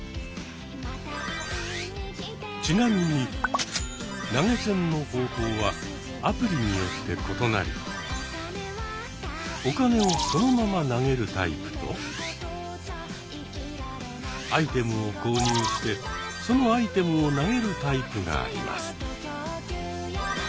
ちなみに投げ銭の方法はアプリによって異なりお金をそのまま投げるタイプとアイテムを購入してそのアイテムを投げるタイプがあります。